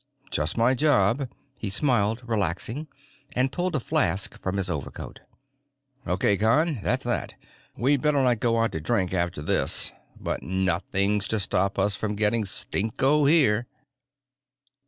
"Just my job." He smiled, relaxing, and pulled a flask from his overcoat. "Okay, Con, that's that. We'd better not go out to drink, after this, but nothing's to stop us from getting stinko here."